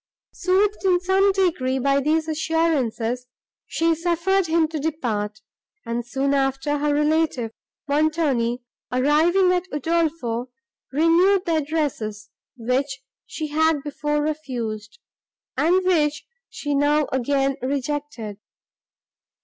Soothed, in some degree, by these assurances, she suffered him to depart; and, soon after, her relative, Montoni, arriving at Udolpho, renewed the addresses, which she had before refused, and which she now again rejected.